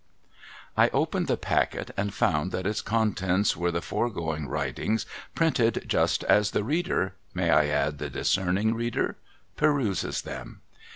I opened the packet, and found that its contents were the fore going writings printed just as the reader (may I add the discerning reader?) peruses them.